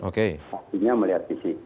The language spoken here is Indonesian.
akhirnya melihat fisik